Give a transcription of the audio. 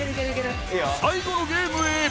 最後のゲームへ。